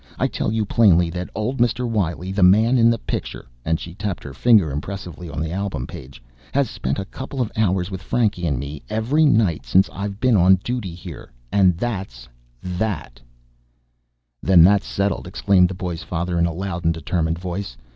I tell you plainly that old Mr. Wiley, the man in this picture," and she tapped her finger impressively on the album page, "has spent a couple of hours with Frankie and me every night since I've been on duty here, and that's that!" "Then that's settled," exclaimed the boy's father in a loud and determined voice.